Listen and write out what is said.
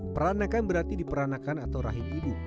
peranakan berarti diperanakan atau rahim ibu